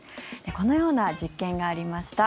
このような実験がありました。